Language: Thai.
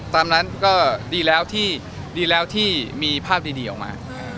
ตามนั้นก็ดีแล้วที่ดีแล้วที่มีภาพดีออกมา